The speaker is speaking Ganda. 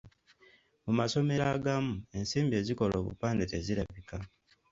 Mu masomero agamu, ensimbi ezikola obupande tezirabika.